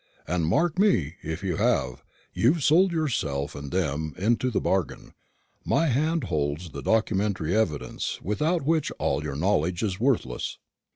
And mark me, if you have, you've sold yourself and them into the bargain: my hand holds the documentary evidence, without which all your knowledge is worthless."